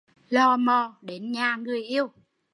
Lò mò đến nhà người yêu